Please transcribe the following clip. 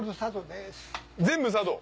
全部佐渡？